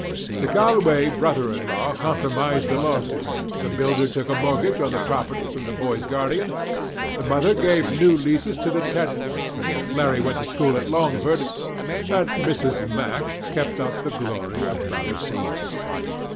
The Galway brother in law compromised the lawsuit; the builder took a mortgage on the property from the boy's guardian; the mother gave new leases to the tenants; Larry went to school at Longford; and Mrs. Mac kept up the glory of Ballycloran.